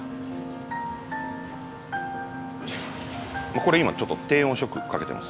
これ今ちょっと低温ショックかけてます。